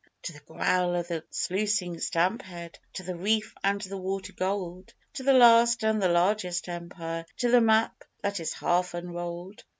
To the growl of the sluicing stamp head To the reef and the water gold, To the last and the largest Empire, To the map that is half unrolled!